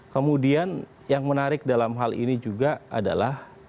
kemudian yang menarik dalam hal ini juga adalah